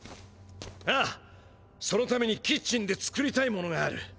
ああそのためにキッチンで作りたいものがある。